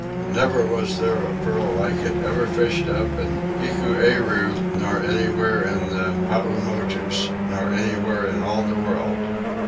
Never was there a pearl like it ever fished up in Hikueru, nor anywhere in the Paumotus, nor anywhere in all the world.